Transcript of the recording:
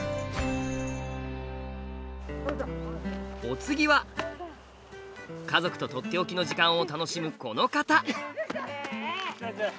お次は家族と「とっておきの時間」を楽しむこの方。